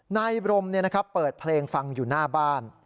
นายบรมเนี่ยนะครับเปิดเพลงฟังอยู่หน้าบ้าน